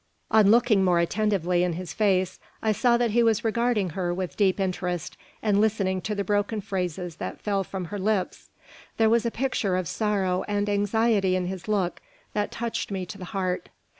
On looking more attentively in his face, I saw that he was regarding her with deep interest, and listening to the broken phrases that fell from her lips. There was a picture of sorrow and anxiety in his look that touched me to the heart.